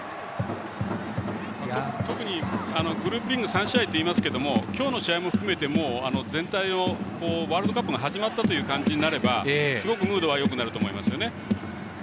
特に、グループリーグ３試合っていいますけど今日の試合も含めて全体をワールドカップが始まったという感じになればすごくムードはよくなると思うんです。